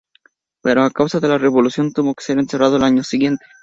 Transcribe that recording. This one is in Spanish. Pero, a causa de la Revolución, tuvo que ser cerrado al año siguiente.